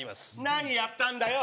何やったんだよ？